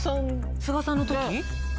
菅さんの時？